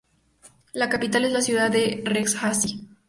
La capital es la ciudad de Rajshahi.